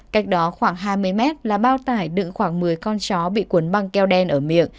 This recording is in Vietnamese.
cách đó khoảng hai mươi mét là bao tải đựng khoảng một mươi con chó bị cuốn băng keo đen ở miệng